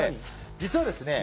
実はですね